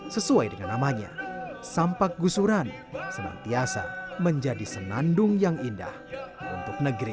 sesuai dengan namanya sampak gusuran senantiasa menjadi senandung yang indah untuk negeri